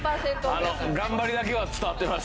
頑張りだけは伝わってます。